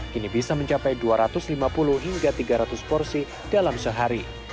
kini bisa mencapai dua ratus lima puluh hingga tiga ratus porsi dalam sehari